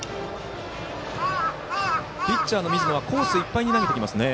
ピッチャーの水野はコースいっぱいに投げてきますね。